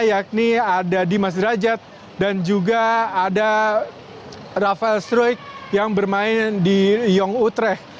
yakni ada dimas derajat dan juga ada rafael struik yang bermain di yong utrecht